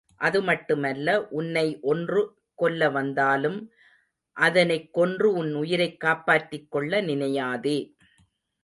அது மட்டுமல்ல உன்னை ஒன்று கொல்ல வந்தாலும் அதனைக் கொன்று உன் உயிரைக் காப்பாற்றிக்கொள்ள நினையாதே.